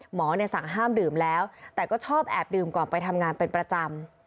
สั่งห้ามดื่มแล้วแต่ก็ชอบแอบดื่มก่อนไปทำงานเป็นประจำ